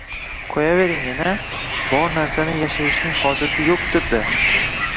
— Qoʼyavering, ena… bor narsani yashirishning hojati yoʼqdir-da…